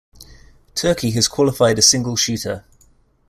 Turkey has qualified a single shooter.